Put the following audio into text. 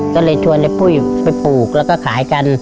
ก็เลยชวนในปุ้ยไปปลูกแล้วก็ขายกัน